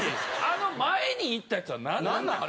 あの前に行ったやつはなんなの？